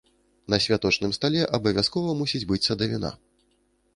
На святочным стале абавязкова мусіць быць садавіна.